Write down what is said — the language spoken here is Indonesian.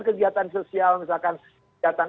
kegiatan sosial misalkan kegiatan